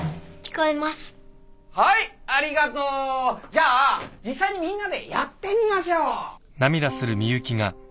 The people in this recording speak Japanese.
じゃあ実際にみんなでやってみましょう。